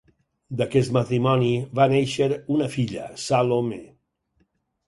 D'aquest matrimoni va néixer una filla, Salome.